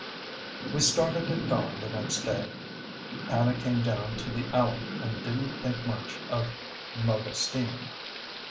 We started at dawn the next day. Hannah came down to the alley and didn't think much of Modestine.